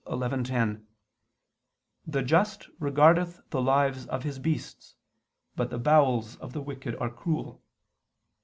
11:10): "The just regardeth the lives of his beasts: but the bowels of the wicked are cruel."